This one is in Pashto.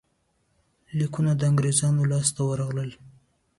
لیکونه د انګرېزانو لاسته ورغلل.